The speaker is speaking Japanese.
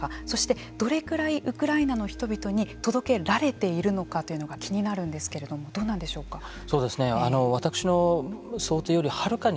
そしてどれぐらいウクライナの人々に届けられているのかということが気になるんですけれどもどうなんでしょうか。